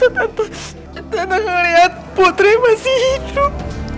tante ngeliat putri masih hidup